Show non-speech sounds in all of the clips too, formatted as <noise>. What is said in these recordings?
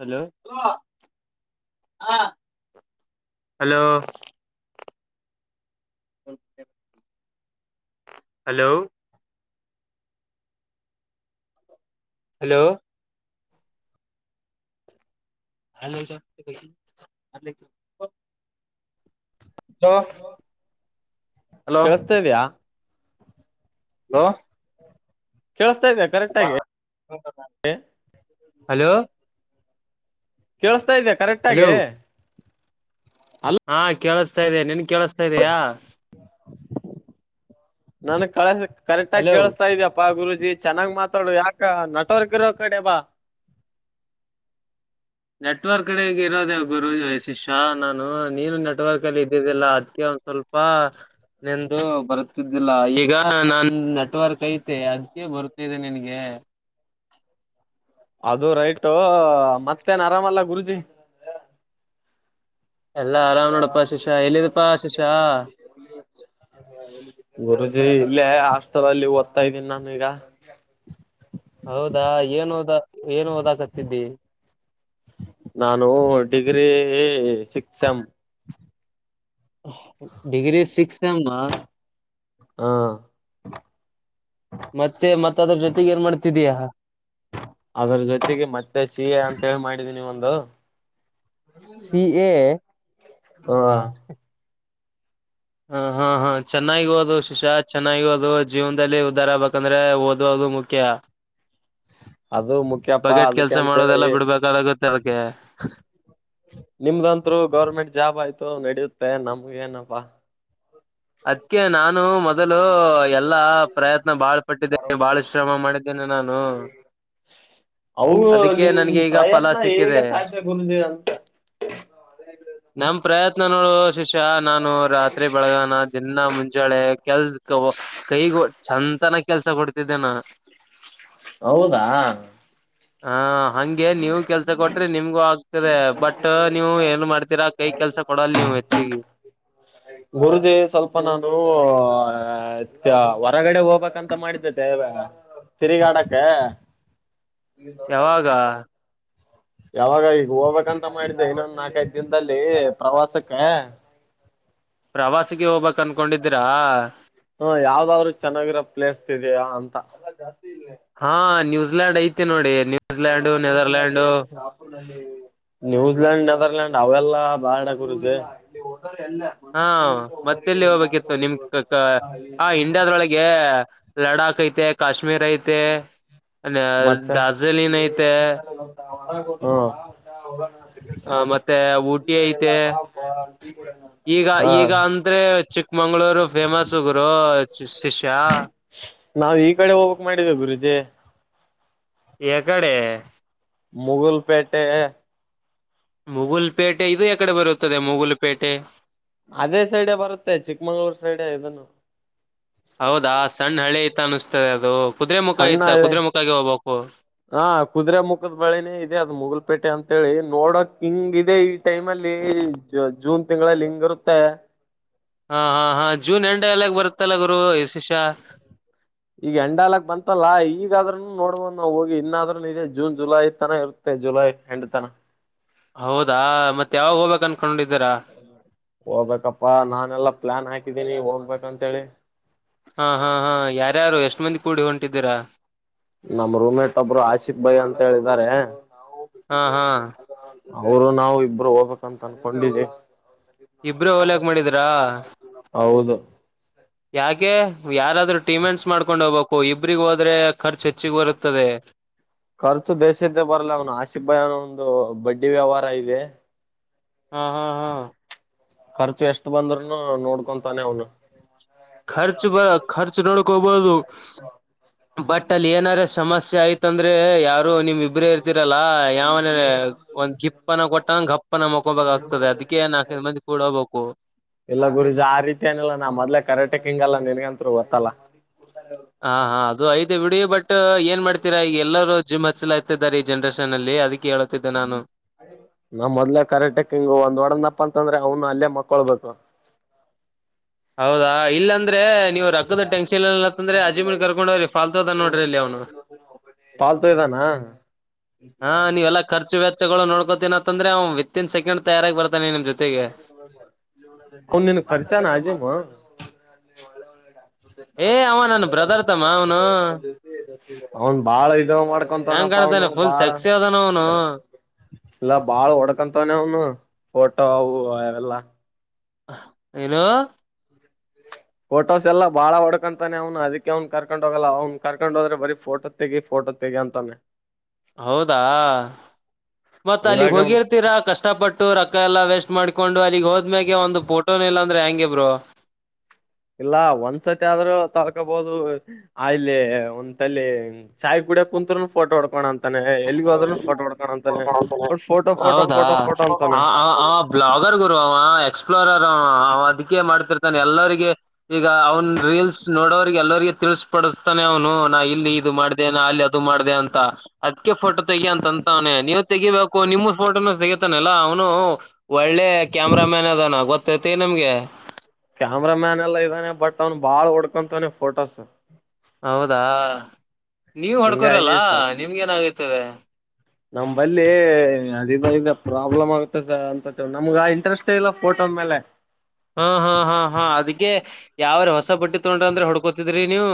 Hello <inaudible> hello how <inaudible> hello hello hello sir. Hello ಕೆೇಳಸ್ತಾ ಇದ್ಯಾ. Hello. ಕೇಳಿಸ್ತಾ ಇದ್ಯಾ ಕರೆಕ್ಟ್ ಆಗಿ ಹಲೋ ಕೇಳಸ್ತಾ ಇದೆಯ ಹಲೋ ಕರೆಕ್ಟಗೆ. ಹಾ ಕೇಳಸ್ತಾ ಇದೇ ನಿಂಗ ಕೇಳಸ್ತಾ ಇದಯ ನನ್ ಕಳಸ ಕರೆಕ್ಟ ಆಗ ಕೇಳಿಸ್ತಾಇದ್ಯಪ್ಪಾ ಗುರು ಚೆನ್ನಾಗ್ ಮಾತಾಡು ಯಾಕ ನಟವರ್ಕ್ ಇರೋ ಕಡೆ ಬಾ ನೆಟ್ವರ್ಕ್ ಕಡೆ ಇರೋದೇ ಗುರುಜ ಶಿಷ್ಯ ನಾನು ನೀನು ನೆಟ್ವರ್ಕ್ ಅಲ್ಲಿ ಇದ್ದಿಲ್ಲ ಅದ್. ಸ್ವಲ್ಪ ನೆಂದು ಬರುತಿದ್ದಿಲ್ಲ ಈಗ ನಾನ್ ನೆಟ್ವರ್ಕ್ ಐತೆ ಅ. ಬರ್ತಿದೆ ನಿನಗೆ. ಅದು ರೈಟ್ ಮತ್ತೇನ್ ಆರಾಮಲ್ಲ ಗುರುಜಿ. ಎಲ್ಲಾ ಆರಾಮ್ ನೋಡಪ್ಪಾ ಶಿಶಾ ಎಲ್ಲಿದಪ್ಪಾ ಶಿಶಾ. ಗುರುಜಿ ಇಲ್ಲೇ ಹಾಸ್ಟೆಲ್ ಅಲ್ಲಿ ಓದ್ತಾ ಇದ್ದೀನಿ ನಾನು ಈಗ. ಹೌದಾ ಏನ್ ಓದ ಏನ್ ಓದಾಕತ್ತಿದ್ದಿ. ನಾನು degree six sem. Degree six sem ಆ. ಹ ಮತ್ತೆ ಮತ್ತ ಅದ್ರ ಜೊತೆಗೆ ಏನ್ ಮಾಡ್ತಿಧೀಯಾ. ಅದರ ಜೊತೆಗೆ ಮತ್ತೆ ಸಿ ಎ ಅಂತ ಹೇಳಿ ಮಾಡಿದಿ ನೀವ ಒಂದು. ಸಿ ಎ ಹಾ. ಹಾ ಹಾ ಹಾ. ಚೆನ್ನಾಗಿ ಓದು ಶಿಷ್ಯ ಚೆನ್ನಾಗಿದು ಜೀವನದಲ್ಲಿ ಉದಾರ ಆಗಬೇಕಂದ್ರೆ ಓದುದು ಮುಖ್ಯ. <inaudible> ಅದು ಮುಖ್ಯಪ್ಪಾ ಬಗೆಟ್ ಅದಕ್ಕೆ ಕೆಲ್ಸ ಮಾಡೋದೆಲ್ಲ ಅಂತೇಳಿ ಬಿಡ್ಬೇಕಾಗುತ್ತೆ ಅದಕ್ಕೆ. ನಿಮ್ದಂತ್ರು ಗೌರ್ಮೆಂಟ್ ಜಾಬ್ ಆಯ್ತು ನಡಿಯುತ್ತೆ ನಮಗ ಏನಪ್ಪಾ. ಅದಕ್ಕೆ ನಾನು. ನಾನು ಮೊದಲು ಎಲ್ಲಾ ಪ್ರಯತ್ನ ಬಾಳ್ ಪಟ್ಟಿದ್ದೇನೆ ಬಾಳ್ ಶ್ರಮ ಮಾಡಿದ್ದೇನೆ ನಾನು. <inaudible> ಅವು ಅದಕ್ಕೆ ನಿಮ್ ನನ್ಗೆ ಈಗ ಫಲ ಪ್ರಯತ್ನ ಹೇಗೆ ಸಾಧ್ಯಗರುದ ಅಂತ. ನಮ ಪ್ರಯತ್ನ ನೋಡು ಶಿಷ್ಯ ನಾನು ರಾತ್ರಿ ಬೆಳಗಾನ. ಇನ್ನ ಮುಂಚಾಳೆ ಕೆಲ್ಸ ಕೈಗ ಚಂತನ. ಕೆಲ್ಸ ಕೊಡ್ತಿದ್ದೇನ. ಹೌದಾ ಹಾ ಹಗೆ ನೀವು ಕೆಲ್ಸ ಕೊಟ್ರ ನಿಮ್ಗೂ ಆಗ್ತರಿ ಬಟ್ ನೀವು ಏನ್ ಮಾಡ್ತೀರಾ ಕೈ ಕೆಲ್ಸ ಕೊಡಲ್ ನೀವು. ಬಚ್ಚಿಗೆ. ಗುರು ದೇಶ್ ಅಪ ನಾನು ಹೊರಗಡೆ ಹೋಗ್ಬೇಕಂತ ಮಾಡಿದ್ದೇತೆ. ತಿರಿಗಾಡಕ್ಕ. ಯಾವಾಗ. ಯಾವಾಗ ಈಗ ಹೋಗ್ಬೇಕಂತ ಮಾಡಿದ್ದೆ ಇನ್ನೊಂದು ನಾಕೈದ ದಿನದಲ್ಲಿ ಪ್ರವಾಸಕ್ಕ. ಪ್ರವಾಸಿಗೆ ಹೋಗ್ ಬೇಕ್. ಹ ಯಾವ್ದಾದ್ರು ಚೆನ್ನಾಗಿರೋ ಪ್ಲೇಸ್ ಇದಯಾ ಅಂತ. ಹಾ ನ್ಯೂಜಿಲ್ಯಾಂಡ್ ಐತಿ ನೋಡಿ. ನ್ಯೂಜಿಲ್ಯಾಂಡು ನೆದರ್ಲ್ಯಾಂಡು ನ್ಯೂಜಿಲ್ಯಾಂಡ್ ನೆದರ್ಲ್ಯಾಂಡ್ ಅವೆಲ್ಲ ಬ್ಯಾಡ್ ಗುರೂಜಿ. ಹಾ ಮತ್ತೆಲ್ಲಿ ಹೋಗ್ಬೇಕಿತ್ತು ನಿಮ್ ಕ ಕ ಹ ಇಂಡಿಯಾದೊಳಗೆ. ಲಡಾಖ ಐತೆ. ಕಾಶ್ಮೀರ ಐತೆ ಅ ಮತ್ತೆ ದಾರ್ಜಿಲಿಂನ ಐತೆ. ಹ್. ಹ ಮತ್ತೆ ಊಟಿ ಐತೆ. ಈಗ ಹಾ ಈಗ ಅಂದ್ರೆ ಚಿಕ್ಕಮಂಗಗಳೂರು ಫೇಮಸು ಗುರು. ಶಿಷ್ಯ ನಾವವು ಈ ಕಡೆ ಹೋಗಕ್ ಮಾಡಿದ್ದೇವ ಗುರುಜಿ. ಎ ಕಡೆ. ಮುಗುಲ್ ಪೇಟೆ. ಮುಗುಲ್ ಪೇಟೆ ಇದು ಎಕಡೆ ಬರುತ್ತದೆ ಮುಗುಲ್ ಪೇಟೆ. ಅದೇ ಸೈಡೆ ಬರುತ್ತೆ ಚಿಕ್ಕಮಂಗ್ಳೂರ್ ಸೈಡ್ ಇದನ್ನು. ಹೌದಾ <unintelligible> ಅನಿಸ್ತದೆ ಅದು. ಕುದುರೆ ಮುಖ ಸಣ್ಣ ಐತ ಹಳ್ಳೆ ಕುದುರೆ ಮುಖಗೆ ಹೋಗ್ಬೇಕು ಹಾ ಕುದುರೆ ಮುಖದ ಬಳೆನೇ ಇದೆ ಅದ ಮುಗುಲ್ಪೇಟೆ ಅಂತ. ಅಂತ ಹೇಳಿ ನೋಡಕ್ ಹಿಂಗ ಇದೆ ಈ ಟೈಮ್ ಅಲ್ಲಿ ಜೂನ್ ತಿಂಗಳಲ್ಲಿ ಹಿಂಗ ಇರುತ್ತೆ. ಹಾ ಹಾ ಹಾ ಜೂನ್ ಎಂಡ ಎಲ್ಲಾಗ ಬರುತ್ತಲ್ಲ ಗುರು ಇ ಶಿಷ್ಯ. ಈಗ ಎಂಡ ಅಲಕಾ ಬಂತಲ್ಲಾ ಈಗಾದ್ರೂನೂ ನೋಡಬಹುದು ನಾವ್ ಹೋಗಿ ಇನ್ನ ಆದ್ರೂನೂ ಇದೆ ಜೂನ್ ಜುಲೈ ತನ ಇರುತ್ತೆ. ಜುಲೈ ಎಂಡ ತನ. ಹೌದಾ ಮತ್ತ ಯಾವಾಗ ಹೋಗಬೇಕ ಆನ್. ಹೋಗ್ಬೇಕಪ್ಪಾ ನಾನೆಲ್ಲಾ ಪ್ಲಾನ್ ಹಾಕಿದೀನಿ ಹೋಗಬೇಕಂತ ಹೇಳಿ. ಹಾ ಹಾ ಹಾ ಯಾರ್ಯಾರು ಎಷ್ಟ ಮಂದಿ ಕೂಡಿ ಹೊಂಟಿದ್ದೀರಾ. ನಮ್ಮ ರೂಮ ಮೇಟ್ ಒಬ್ರು ಆಶಿಕ್ ಭಾಯಿ ಅಂತ ಹೇಳಿ ಇದಾರೆ. ಹಾ ಹಾ ಅವರು ನಾವು ಇಬ್ಬರು ಹೋಗ್ಬೇಕಕ್ಂತ ಅನ್ಕೊಂಡಿನಿ. ಇಬ್ರೇ ಹೋಲಕ್ ಮಾಡಿದ್ರಾ ಹೌದ. ಯಾಕೆ ಯಾರಾದ್ರೂ ಟೀಮೆಂಟ್ಸ್ ಮಾಡ್ಕೊಂಡ್ ಹೋಗ್ಬೇಕು ಇಬ್ರಿಗ ಹೋದ್ರೆ. ಖರ್ಚು ಹೆಚ್ಚಿಗೆ ಬರುತ್ತದೆ ಖರ್ಚು ದೇಶದ್ದೇ ಬರಲ್ಲ ಅವನ ಆಶಿಕ್ ಭಾಯಿ ಅನವುದು ಬಡ್ ಬಡ್ಡಿ ವ್ಯವಹಾರ ಇದೆ. ಹ್ಮ್ ಹ್ಮ್ ಹ್ಮ್ಮ್. ಖರ್ಚು ಎಷ್ಟು ಬಂದ್ರೂನೂ ನೋಡ್ಕೊಂತಾನೆ ಅವನು. ಖರ್ಚು ಬ ಖರ್ಚು ನೋಡ್ಕೋಬಹುದು ಬಟ್ ಅಲ್ಲಿ ಏನಾರ ಸಮಸ್ಯೆ ಆಯ್ತ್ ಅಂದರೆ ಯಾರ ರು ನಿಮ್ ಇಬ್ಬರೇ ಇರ್ತಿರಲ್ಲಾ ಯಾವನು ವೆ ಒಂದ್ ಗಿಪ್ನ ಕೊಟ್ಟಂಗ ಗಪ್ಪನ ಮಕೊಬೇಕಾಗ್ತದೆ ಅದಕ್ಕೆ. ಅಕ್ಕೆ ನಾಲ್ಕ ಐದ ಮಂದಿ ಕೂಡಿ ಹೋಗಬೇಕು. ಇಲ್ಲ ಗುರೂಜಿ ಆ ರೀತಿ ಏನ್ ಇಲ್ಲ ನಾ ಮೊದ್ಲೆ ಕರಾಟೆ ಕಿಂಗ್ ಅಲ್ಲ ನಿನಗ ಅಂತ್ರು ಗೊತ್ತಲ್ಲ. ಹಾ ಹಾ ಅದು ಐತೆ ಬಿಡಿ ಬಟ್ ಏನ್ ಮಾಡ್ತೀರಾ ಈಗ ಎಲ್ಲರೂ. ಜಿಮ್ ಹಚ್ಚಲಾ್ತಿದ್ದಾರೆ ಈ ಜನ್ರೇಷನ್ ಅಲ್ಲಿ ಅದಿಕ್ಕೆ ಹೇಳುತ್ತಿದ್ದೆ ನಾನು. ನಮ್ಮ ಮೊದ್ಲೆ ಕರೆಟಕ್ ಹಿಂಗ ಒಂದ್ ಒಡನಪ್ಪ ಅಂತಂದ್ರೆ ಅವ್ನು ಅಲ್ಲೇ ಮಕ್ಕೊಳ್ಬೇಕು ಹೌದಾ ಇಲ್ಲ ಅಂದ್ರೆ ನೀವು ರಕ್ಕ್ಕದ ಟೆನ್ಶನ್ ಇಲ್ಲ ಅಂತ ಅಂದ್ರೆ ಅಜಮನ್ ಕರ್ಕೊಂಡು ಹೋಗ್ರಿ ಫಾಲ್ತು ಅದನ್ನು ನೋಡ್ರಿ ಇಲ್ಲಿ ಅವ್. ಫಾಲ್ತು ಇದಾನ. ಹಾ ನೀವೆಲ್ಲ ಖರ್ಚು ವ್ಯಾರ್ಚಗಳು ನೋಡ್ಕೋತೀನಿ ಅಂತಂದ್ರೆ ಅವ ವಿತ್ ಇನ್ ಸೆಕೆಂಡ್ ತಯಾರಾಗಿ ಬರ್. ಹೂ ನಿನ್ನ ಕರ್ಚ ನಾಜಿ. <unintelligible> ಏ್ ಅವ ನನ್ನ ಬ್ರದರ್ ತಮ್ಮ ಅವನು. ಅವನ್ ಬಾಳ ಇದ ಹೆಂಗ್ ಮಾಡ್ಕೊಂತನಪ್ಪ ಅವನು ಕಾಣ್ತಾನೆ ಫುಲ್ ಬಾಳ. ಸೆಕ್ಸಿ ಅದಾನ ಅವನು ಎಲ್ಲಾ ಬಾಳ್ ಹೊಡ್ಕಂತವನೇ ಅವನು ಫೋಟೋ ಅವು ಎಲ್ಲಾ. ಏನು. ಫೋಟೋಸ್ ಎಲ್ಲ ಬಾಳ ಹೊಡ್ಕಂತಾನ ಅವ್ನು ಅದಕ್ಕೆ ಅವ್ನ್ ಕರ್ಕೊಂಡ್ ಹೋಗಲ್ಲ ಅವ್ ಕಕೊಂಡ್ ಹೋದ್ರೆ ಬರಿ ಫೋಟೋ ತೆಿ ಫೋಟೋ ಟತ್ತಗ ಅಂತಾನೆ ಹೌದಾ ಮತ್ತತ್ ಅಲ್ಲಿಗ್ ಹಂಗಾಗಿ ಅವ್ನ್ ಹೋಗಿರ್ತೀರಾ ಕಷ್ಟಪಟ್ಟು ರೊಕ್ಕ ಎಲ್ಲಾ ವೇಸ್ಟ್ ಮಾಡ್ಕೊಂಡು ಅಲ್ಲಿಗ್ ಹೋದ್ಮ್ಯೆ ಒಂದು ಫೋಟೋನ ಅಂದ್ರ ಹೆಂಗಗೆ ಬರು ಇಲ್ಲ ಒಂದ್ಸತಿ ಆದ್ರೂ ತಳ್ಕೊಬಹುದು ಆ ಇಲ್ಲಿ ಒಂತಲ್ಲಿ ಚಾಯ್ ಕು ಕುಂರುಫೋ ಹೊಡ್ಕ ಅಂತ ಾನೆ ಎಲ್ಲಿಗ ಹೋದ್ೂ ಫೋಟೋ ಹೊಡ್ಕೊಂಡಂತಾನೆ ಒಟ್ ಫೋಟೋ ಫೋಟೋ ಫೋಟೋ ಫೋಟೋ ಅಂತಾನೆ ರ್ ಗು ಅವ ಎಕ್ಸ್ಪ್ಲೋರರ್ ಅವ ಅವ ಅದಕ್ಕೆ ಮಾಡ್ತಿರ್ತಾನೆ ಎಲ್ಲರಿಗೆ ಈಗ ಅವನು ರೀಲ್ಸ್ ನೋಡೋವರಿಗೆ ಎಲ್ಲರಿಗೆ ತಿಳಪಡಿಸ್ತಾನೆ ಅವನು ಇಲ್ಲಿ ಇದು ಮಾಡ್ದೇನಾ ಅಲ್ಲಿ ಅದು ಮಾಡ್ದ ಅಂತ ಅದ್ಕ್ಕೆ ಫೋಟೋ ತೆಗಿ ಅಂತಂತ ಅವನೇ ನೀವು ತೆಗಿಬೇಕು ನಿಮ್ಮ ಫೋಟೋನ ತಗತಾನಲ್ಲಾ ಅವನು ಒಳ್ಳೆ ಕ್ಯಾಮರಾ ಮ್ಯಾನ್ ಅದಾನ ಗೊತ್ತೈತಿ ನಮ್ಗೆ ಕ್ಯಾಮರಾ ಮ್ಯಾನ್ ಎಲ್ಲಾ ಇದ್ದಾನೆ ಬಟ್ ಅವ್ನು ಬಾಳ್ ಓಡ್ಕೊಂತವಾನೆ ಫೋಟೋಸ್ ಹೌದಾ ನೀವ್ ಹಿಂಗಾಗಿ ಹೊಡ್ಕೋರಿಲ್ಲ ನಿಮ್ಗೆ ಏನಾಗೈತವೆ ನಮಂಬಲ್ಲಿ ಅದ ಬ ಈಗ ಪ್ರಾಬ್ಲಮ್ ಆಗುತ್ತೆ ಸ ಅಂತ ನಮಗ ಆ ಇಂಟ್ರಸ್ಟ್ ಇಲ್ಲ ಫೋಟೋದ ಮೇಲೆ ಹಾ ಹಾ ಹಾ ಹಾ ಅದಗೆ ಯಾವ್ರ ಹೊಸ ಬಟ್ಟಿ ತೊೊಂಡ್ರ ಅಂದ್ರೆ ಹುಡ್ಕೋತಿದ್ರಿ ನೀವು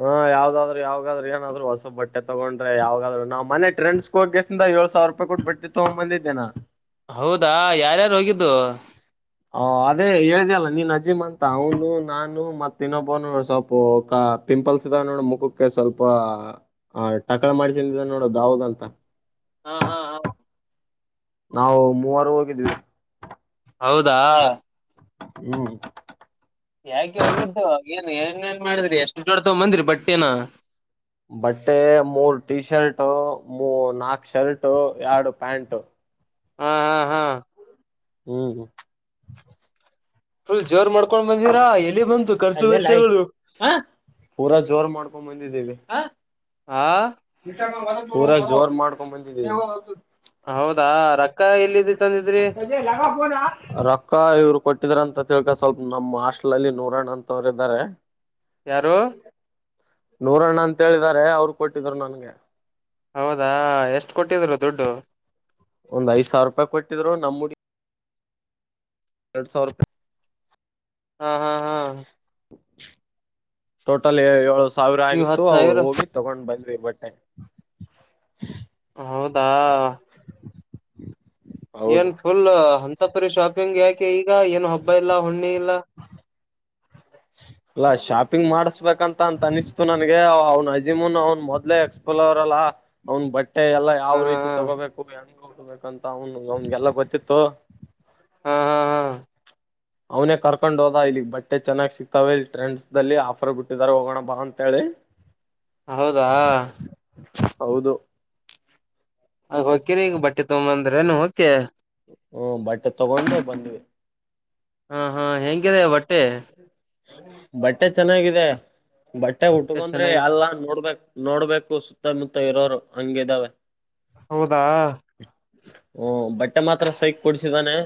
ಹಾ ಯಾವ್ದಾದ್ರು ಯಾವಾಗಾದ್ರರು ಏನಾದ್ರು ಹೊಸ ಬಟ್ಟೆ ತಗೊಂಡ್ರೆ ಯಾವಾಗಾದ್ರು ನಾವ್ ಮನೆ ಟ್ರೆಂಡ್ಸ್ ಹೋಗಸ ಏಳ್ ಸಾವಿರ ರೂಪಾಯಿ ಕೊಟ್ಟು ಬಿಟ್ಟ ತಗೊ್ ಬಂದಿದ್ದೇನಾ ಹೌದಾ ಯಾರ್ಯಾರು ಹೋಗಿದ್ದು ಹ ಅದೇ ಹೇಳ್ದ ಅಲ್ಲ ನೀನ್ ಅಜೀಮ್ ಅಂತ ಅವನು ನಾನು ಮತ್ ಇನ್ನೊಬ್ಬನು ಸ್ವಲ್ಪ ಪಿಂಪಲ್ಸ್ ಇದ ನೋಡ ಮುಖಕ್ಕೆ ಸ್ವಲ್ಪ ಆ ಟಕಳ ಮಾಡ್ಸಿದ ನೋಡ ದಾಾವದ್ ಅಂತ ಹ್ಮ ಹಾ ಹಾ ನಾವು ಮೂವರು ಹೋಗಿದ್ವಿ ಹೌದಾ ಹ್ಮ್ ಯಾಕೆ ಹೋಗಿದ್ದು ಏನ್ ಏನ್ೇಏನ್ ಮಾಡಿದ್ರಿ ಎಷ್ಟು ಜೋಡ ತಗ್ ಬಂದ್ರಿ ಬಟ್ೇನ ಬಟ್ಟೆ ಮೂರ್ ಟಿ ಶರ್ಟ್ ಮೂ ನಾಕ್ು ಶರ್ಟ ಎರಡು ಪ್ಯಾಂಟ್ ಹಾ ಹಾ ಹಾ ಹ್ಮ್ ಹ್ಮ ಫುಲ್ ಜೋರ್ ಮಾಡ್ಕೊಂಡ್ ಬಂದಿರಾ ಎಲ್ಲಿ ಬಂತು ಖರ್ಚು ವೆಚ್ಚಗಳು ಪೂರಾ ಜೋರ್ ಮಾಡ್ಕೊಂಡ್ ಬಂದಿದ್ದೇವಿ ಆ ಪೂರಾ ಜೋರ್ ಮಾಡ್ಕೊಂಡ್ ಬಂದಿದ್ದೀವಿ ಹೌದಾ ರಕ್ಕ ಎಲ್ಲ ರೊಕ್ಕ ಇವ್ರು ಕೊಟ್ಟಿದಾರ ಅಂತ ತಿಳ್ಕ ಸ್ವಲ್ಪ ನಮ್ಮ ಹಾಸ್ಟ್ಲ್ ಅಲ್ಲಿ ನೂರಣ್ಣ ಅಂತವರುಾರೆ ಯಾರು ನೂರಣ್ಣ ಅಂತ ಹೇಳಿದಿದ್ದಾರೆ ಅವರು ಕೊಟ್ಟಿದ್ರು ನನ್ಗೆ ಹೌದಾ ಎಷ್ಟ ಕೊಟ್ಟಿದ್ರು ದುಡ್ಡು. ಒಂದ್ ಐದ ಸಾವಿರ ರೂಪಾಯಿ ಕೊಟ್ಟಿದ್ರು ನಮ್ಮ ಮುಡಿ ೇ ಸೊ ರೂಪೆ ಹಾ ಹಾ ಹಾ ಟೋಟಲ್ ಏಳು ಸಾವಿರ ನೀವ್ ಆಗಿತ್ತು ಹತ್ ಸಾವಿರ ಹೋಗಿ ತಗೊಂಡ್ ಬಂದ ಬಟ್ಟೆ ಹೌದಾ ಹೌದು ಏನ್ ಫುಲ್ ಅಂತಪುರಿ ಶಾಪಿಂಗ್ ಯಾಕೆ ಈಗ ಏನು ಹಬ್ಬ ಇಲ್ಲ ಹುಣ್ಣಿ ಇಲ್ಲ ಹ ಅಲ್ಲಾ ಶಾಪಿಂಗ್ ಮಾಡ್ಸ್ಬೇಕಂತ ಅಂತ ಅನಿಸ್ತು ನನ್ಗೆ ಅವ್ನ್ ಅಜೀಮುನ್ ಅವ್ನ್ ಮೊದ್ಲೆ ಎಕ್ಸ್ಪ್ಲೋರಲ್. ಆ ಅವನ್ ಬಟ್ಟಿ. ಟ್ಟೆ ಎಲ್ಲಾ ಯಾವ್ ಹಾ ಹಾ ರೀತಿ ಹಾ ತಗೋಬೇಕು ಹೆಂಗ ಹೋಗಬೇಕಂತ ಅವನು ಅವನ್ಗೆಲ್ಲ ಗೊತ್ತಿತ್ತು. ಹಾ ಹಾ ಹಾ. ಅವನೇ ಕರ್ಕೊಂಡೊದಾ ಇಲ್ಲಿಗ್ ಬಟ್ಟೆ. ಬಟ್ಟೆ ಚನ್ನಾಗಿ ಸಿಕ್ತಾವೆ ಇಲ್ಲಿ ಟ್ರೆಂಡ್ಸದಲ್ಲಿ ಆಫರ್ ಬಿಟ್ಟಿದ್ದಾರೆ ಹೋಗೋನಾ ಬಾ ಅಂತೆಳಿ. ಹೌದಾ. ಹೌದು. ಅಲಿ ಹೋಕಿರಿ ಈಗ ಬಟ್ಟೆ ತೋಬಂದ್ರಿನ ಹೋಕಿ. ಹೂ ಬಟ್ಟೆ ತಗೊಂಡು ಬಂದ್ವಿ. ಹ ಹ ಹೆಂಗಿದೆ ಬಟ್ಟಿ. ಬಟ್ಟೆ ಚೆನ್ನಾಗಿದೆ ಬಟ್ಟೆ ಉಟ್ಕಂದ್ರೆ ಚೆನ್ನಾಗಿ ಎಲ್ಲಾ ನೋಡ್ಬೇಕ್. ನೋಡ್ಬೇಕು ಸುತ್ತಾಮುತ್ತಾ ಇರೋರು ಹಂಗಿದಾವೆ. ಹೌದಾ. ಹು ಬಟ್ಟೆ ಮಾತ್ರಾ ಸೈಕ್ ಕೊಡ್ಸಿದಾನೆ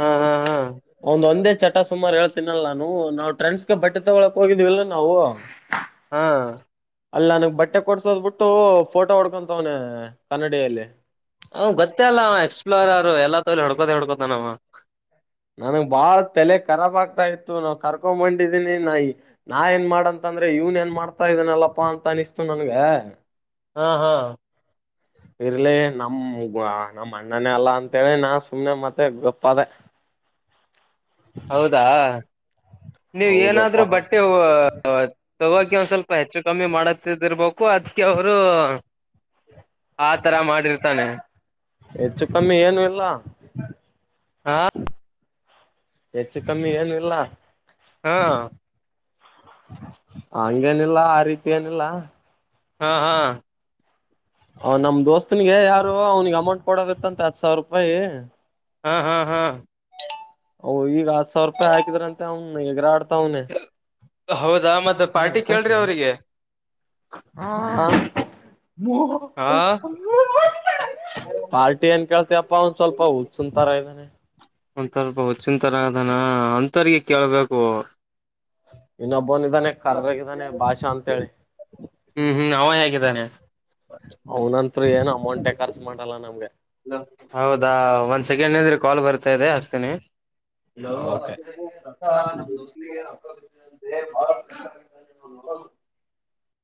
ಹಾ ಹಾ ಹಾ ಅವನ್ದ ಒಂದೇ ಚಟಾ. ಸುಮಾರು ಹೇಳ್ತೀನಲ್ಲ ನಾನು ನಾವು ಟ್ರೆಂಡ್ಸ್ ಗೆ ಬಟ್ಟೆ ತಗೊಳಕ್ ಹೋಗಿದ್ವಿಲ್ ನಾವು. ಹಾ. ಅಲ್ ನನಿಗ್ ಬಟ್ಟೆ ಕೊಡ್ಸೋದ್ ಬಿಟ್ಟು ಫೋಟೋ ಹೊಡ್ಕೊಂತವನೆ ಕನ್ನಡಿಯಲ್ಲಿ. ಅವ್ ಗೊತ್ತೇ ಅಲ್ಲಾ ಎಕ್ಸ್ಪ್ಲೋರರ್ ಎಲ್ಲಾ ತೋಲಿ ಹೋಡ್ಕೋದೇ ಹೊಡ್ಕೋತಾನವ. ನನ್ಗ್ ಬಾಳ್ ತಲೆ ಖರಾಬ್ ಆಗ್ತಾ ಇತ್ತು ನಾವ್ ಕರ್ಕೊಬಂದಿದೀನಿ ನಾ ನಾ ಏನ್ ಮಾಡಂತ. ಅಂದ್ರೆ ಇವನ್ ಏನ್ ಮಾಡ್ತಾ ಇದನಲ್ಲಪ್ಪಾ ಅಂತಾ ಅನಿಸ್ತು ನನ್ಗ. ಹಾ ಹಾ. ಇರ್ಲಿ ನಮ್ಗ ನಮ್ಮ್ ಅಣ್ಣಾನೇ ಅಲ್ಲಾ ಅಂತೇಳಿ ನಾ ಸುಮ್ನೆ ಮತ್ತೆ ಗಪ್ಪ ಆದೆ. ಹೌದಾ. ನೀವು ಹೌದಪ್ಪಾ ಏನಾದ್ರೂ ಬಟ್ಟೆ ಒ ಒ ತಗೋಕೆ ಒಂದ್ ಸ್ವಲ್ಪ ಹೆಚ್ಚು. ಕಮ್ಮಿ ಮಾಡತಿದಿರರ್ಬೇಕು ಅದ್ಕೆ ಅವ್ರು. ಆತರಾ ಮಾಡಿರ್ತಾನೆ. ಹೆಚ್ಚು ಕಮ್ಮಿ ಏನು ಇಲ್ಲ ಹ. ಹೆಚ್ಚು ಕಮ್ಮಿ ಏನು ಇಲ್ಲಾ. ಹಾಂ. ಹಂಗೇನಿಲ್ಲಾ ಆ ರೀತಿ ಏನಿಲ್ಲಾ. ಹ ಹ. ಅವ್ ನಮ್ ದೋಸ್ತನಿಗೆ ಯಾರೊ ಅವನಿಗೆ ಅಮೌಂಟ್ ಕೊಡದಿತ್ತಂತ ಹತ್ ಸಾವಿರುಪಾಯಿ. ಹಾ ಹಾ ಹಾ. ಅವ ಈಗ ಹತ್ ಸಾವಿರೂಪಾಯಿ ಹಾಕಿದ್ರಂತ ಅವನ ಎಗರಾಡ್ತವನೆ. ಹೌದಾ ಮತ್ತ ಪಾರ್ಟಿ ಕೇಳ್ರಿ ಅವರಿಗೆ. ಹಾ ಹಾ ಹಾ ಪಾರ್ಟಿ ಏನ್ ಕೇಳ್ತಿಪ್ಪ ಒಂದ್ ಸ್ವಲ್ಪಾ ಹುಚ್ಚನ್. ಪ ಮನೆ ಒಂದ್ ಸ್ವಲ್ಪ ಹುಚ್ಚಿನ್ ತರಾದನ ಅಂಥರ್ರಿಗೆ ಕೇಳ್ಬೇಕು. ಇನ್ನೊಬ್ಬೊನಿದಾನೆ ಕರ್ರಗಿದಾನೇ ಭಾಷಾ ಅಂತೇಳಿ. ಹ್ಮ್ ಹ್ಮ್ ಅವ ಹೇಗಿದ್ದಾನೆ ಅವನಂತ್ರು ಏನು ಅಮೌಂಟೇ ಖರ್ಚ್ ಮಾಡಲ್ಲಾ ನಮ್ಗೆ. ಹೌದಾ ಒಂದ್ ಸೆಕೆಂಡ್ ನಿಂದ್ರಿ ಕಾಲ್ ಬರ್ತಾ ಇದೆ ಹಸ್ತಿನಿ. ಓಕೆ ರಕ್ಕಾ ನಮ್ ದೋಸ್ತಿಗೆ ರೊಕ್ಕಾ ಬಾಳ್ ಬೇಕಾಗಿದೆಯಂತೆ. <inaudible>